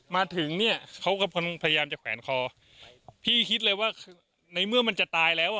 มาถึงเนี่ยเขาก็พยายามจะแขวนคอพี่คิดเลยว่าในเมื่อมันจะตายแล้วอ่ะ